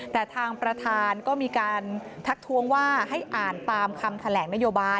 แต่ทางประธานก็มีการทักทวงว่าให้อ่านตามคำแถลงนโยบาย